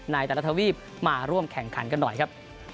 ในแต่ละทวีปมาร่วมแข่งขันกันหน่อยครับ